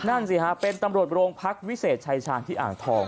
นั่นสิฮะเป็นตำรวจโรงพักวิเศษชายชาญที่อ่างทอง